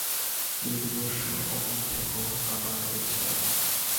চিরদিবস এমনি থেকো আমার এই সাধ।